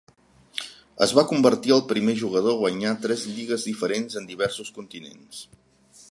Es va convertir el primer jugador a guanyar tres lligues diferents en diversos continents.